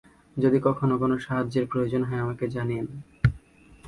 যদি কখনও কোনো সাহায্যের প্রয়োজন হয়, আমাকে জানিয়েন।